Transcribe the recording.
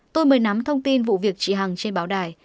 tôi mới nắm thông tin vụ việc chị hằng trên báo đài